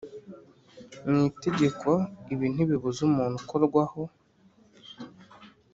mu Itegeko ibi ntibibuza umuntu ukorwaho